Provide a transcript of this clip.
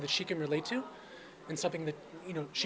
dan sesuatu yang bisa dia hubungi